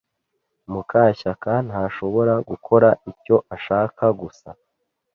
Mukashyaka ntashobora gukora icyo ashaka gusa.